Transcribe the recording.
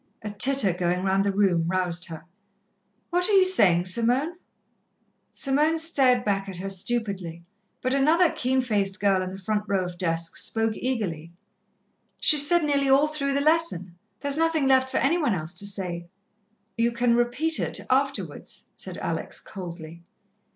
A titter going round the room roused her. "What are you saying, Simone?" Simone stared back at her stupidly, but another keen faced girl in the front row of desks spoke eagerly: "She's said nearly all through the lesson, there's nothing left for any one else to say." "You can repeat it afterwards," said Alex coldly.